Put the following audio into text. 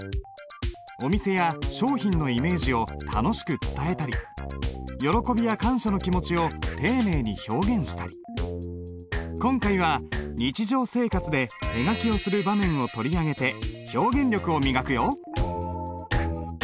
お店や商品のイメージを楽しく伝えたり喜びや感謝の気持ちを丁寧に表現したり今回は日常生活で手書きをする場面を取り上げて表現力を磨くよ。